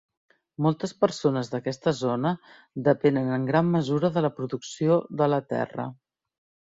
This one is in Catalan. Moltes persones d'aquesta zona depenen en gran mesura de la producció de la terra.